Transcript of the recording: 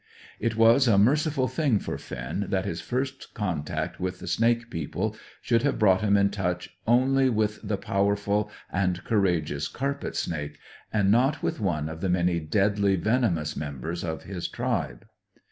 It was a merciful thing for Finn that his first contact with the snake people should have brought him in touch only with the powerful and courageous carpet snake, and not with one of the many deadly venomous members of his tribe.